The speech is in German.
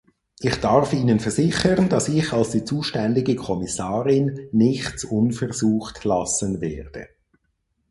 Ich darf Ihnen versichern, dass ich als die zuständige Kommissarin nichts unversucht lassen werde.